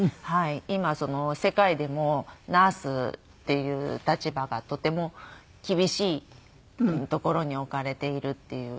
今世界でもナースっていう立場がとても厳しいところに置かれているっていう。